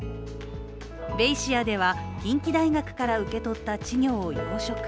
ベイシアでは、近畿大学から受け取った稚魚を養殖。